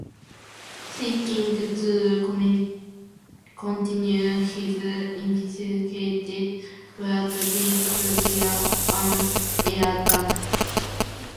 Seeking to continue his investigations, Brad leaves via an air duct.